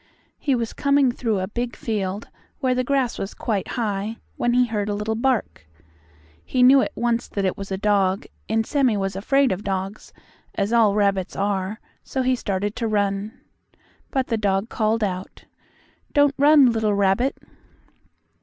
He was coming through a big field, where the grass was quite high, when he heard a little bark. He knew at once that it was a dog, and Sammie was afraid of dogs, as all rabbits are, so he started to run. But the dog called out: "Don't run, little rabbit."